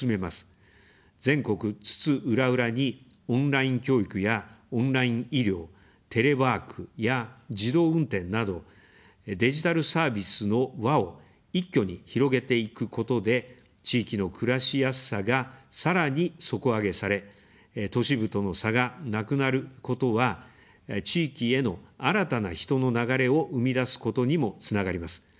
全国津々浦々に、オンライン教育やオンライン医療、テレワークや自動運転など、デジタルサービスの輪を一挙に広げていくことで、地域の暮らしやすさが、さらに底上げされ、都市部との差がなくなることは、地域への新たな人の流れを生み出すことにもつながります。